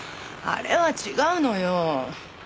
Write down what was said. あれは違うのよ。